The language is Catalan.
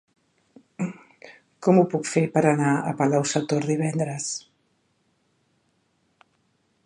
Com ho puc fer per anar a Palau-sator divendres?